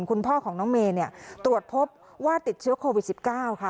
คุณพ่อของน้องเมย์เนี่ยตรวจพบว่าติดเชื้อโควิด๑๙ค่ะ